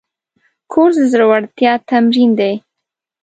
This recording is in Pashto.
کورس د زړورتیا تمرین دی.